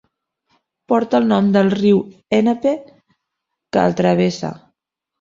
Porta el nom del riu Ennepe que el travessa.